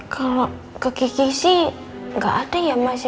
kalau ke kiki sih nggak ada ya mas